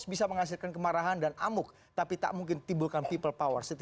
bisa menghasilkan kemarahan dan amuk tapi tak mungkin timbulkan people power